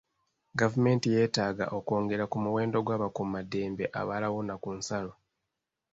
Gavumenti yeetaaga okwongera ku muwendo gw'abakuumaddembe abalawuna ku nsalo.